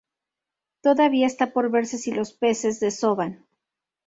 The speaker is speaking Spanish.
Todavía está por verse si los peces desovan.